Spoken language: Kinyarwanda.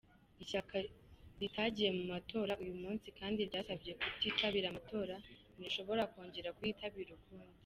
"Ishyaka ritagiye mu matora uyu munsi kandi ryasabye kutitabira amatora ntirishobora kongera kuyitabira ukundi.